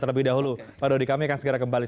terlebih dahulu pak dodi kami akan segera kembali